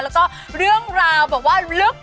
แล้วก็เรื่องราวแบบว่าลึก